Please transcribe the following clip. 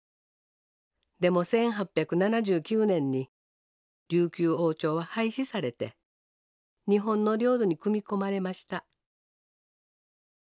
でも１８７９年に琉球王朝は廃止されて日本の領土に組み込まれました。